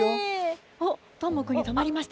どーもくんに止まりました。